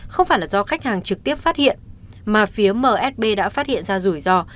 không phải là do khách hàng trực tiếp phát hiện mà phía msb đã phát hiện ra rủi ro